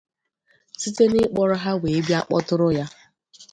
site n'ịkpọrọ ha wee bịa kpọtụrụ ya